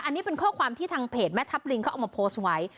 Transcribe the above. อันนี้เป็นข้อความที่ทางเพจแม่ทัพลิงเขาเอามาโพสต์ไว้